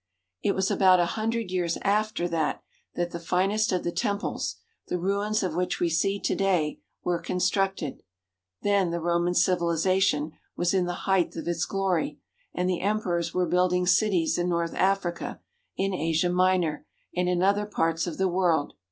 It was about a hundred years after that that the finest of the temples, the ruins of which we see to day, were constructed. Then the Roman civilization was in the height of its glory, and the emperors were building cities in north Africa, in Asia Minor, and in other parts of the world.